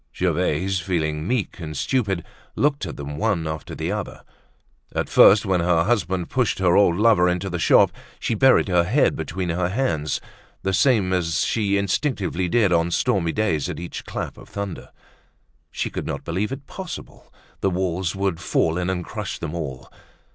Gervaise, feeling meek and stupid, looked at them one after the other. At first, when her husband pushed her old lover into the shop, she buried her head between her hands, the same as she instinctively did on stormy days at each clap of thunder. She could not believe it possible; the walls would fall in and crush them all.